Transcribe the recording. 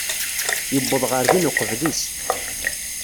Yuweḍ ɣer din uqbel-is.